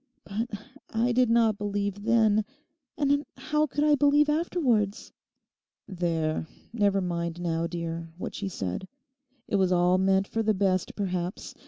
But I did not believe then, and how could I believe afterwards?' 'There, never mind now, dear, what she said. It was all meant for the best, perhaps.